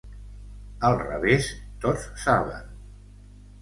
Al revés tots saben.